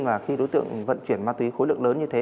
và khi đối tượng vận chuyển ma túy khối lượng lớn như thế